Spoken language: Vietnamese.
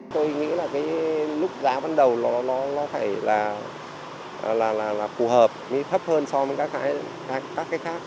tôi nghĩ là cái lúc giá ban đầu nó phải là phù hợp mới thấp hơn so với các cái khác